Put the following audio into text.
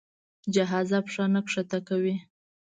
جهازه پښه نه ښکته کوي.